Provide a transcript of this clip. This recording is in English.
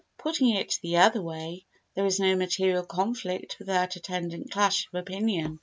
Putting it the other way, there is no material conflict without attendant clash of opinion.